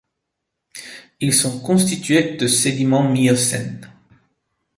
Ils sont constitués de sédiments miocènes.